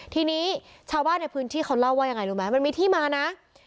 ทีนี้ชาวบ้านในพื้นที่เขาเล่าว่ายังไงรู้ไหมมันมีที่มานะ